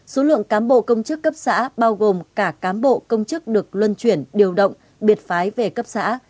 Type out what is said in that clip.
số lượng cán bộ công chức cấp xã bao gồm cả cán bộ công chức được luân chuyển điều động biệt phái về cấp xã